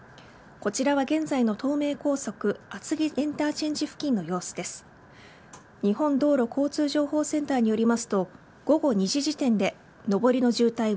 こちらは現在の東名高速厚木インターチェンジ付近の様子です。